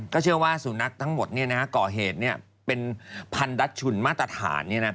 เชื่อว่าสุนัขทั้งหมดก่อเหตุเป็นพันดัชชุนมาตรฐาน